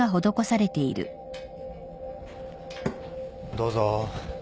どうぞ。